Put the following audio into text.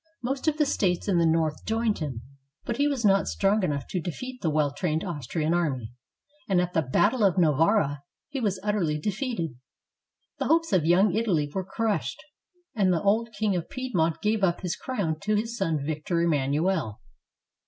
Most of the states in the north joined him ; but he was not strong enough to defeat the well trained Austrian army, and at the battle of Novara he was utterly defeated. The hopes of "Young Italy" were crushed, and the old King of Piedmont gave up his crown to his son Victor Emmanuel.